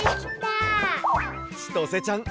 ちとせちゃん